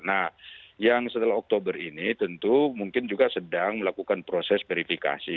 nah yang setelah oktober ini tentu mungkin juga sedang melakukan proses verifikasi